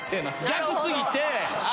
逆すぎて。